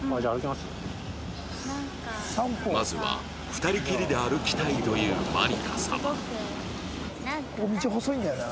まずは２人きりで歩きたいというまりか様